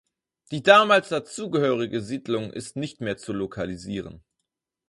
Die damals dazugehörige Siedlung ist nicht mehr zu lokalisieren.